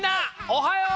おはよう！